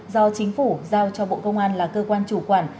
do chính phủ giao cho bộ công an là cơ quan chủ quản